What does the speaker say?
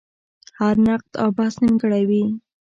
هر نقد او بحث نیمګړی وي.